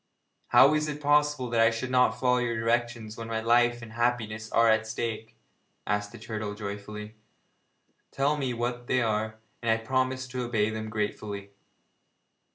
'How is it possible that I should not follow your directions when my life and happiness are at stake?' asked the turtle joyfully. 'Tell me what they are, and I will promise to obey them gratefully.'